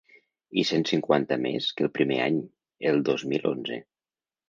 I cent cinquanta més que el primer any, el dos mil onze.